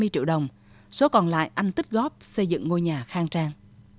năm mươi triệu đồng số còn lại anh tích góp xây dựng ngôi nhà khang trang